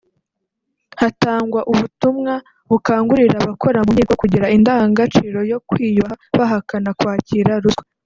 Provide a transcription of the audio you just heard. hatangwa ubutumwa bukangurira abakora mu nkiko kugira indangagaciro yo kwiyubaha bahakana kwakira ruswa